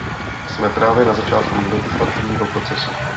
Jsme právě na začátku legislativního procesu.